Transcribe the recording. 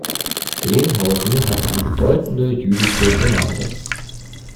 Lenhausen hatte eine bedeutende jüdische Gemeinde.